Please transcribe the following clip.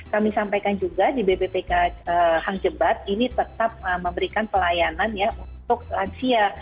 kami sampaikan juga di bppk hang jebat ini tetap memberikan pelayanan ya untuk lansia